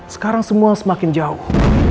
sekarang semua semakin jauh